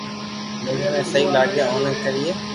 مالڪ ني سھي لاگي اوئي ڪرئي